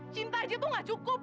cinta aja tuh gak cukup